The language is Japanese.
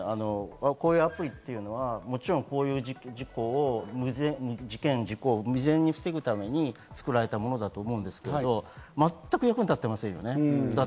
私は、こういうアプリは、こういう事故を未然に防ぐために作られたものだと思うんですけど、全く役に立っていませんよね。